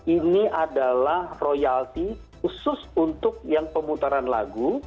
ini adalah royalti khusus untuk yang pemutaran lagu